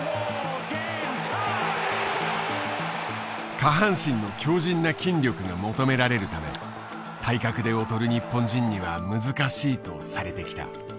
下半身の強じんな筋力が求められるため体格で劣る日本人には難しいとされてきた。